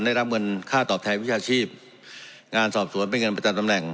ได้รับเงินค่าตอบแทนวิชาชีพงานสอบสวนเป็นเงินประจำตำแหน่ง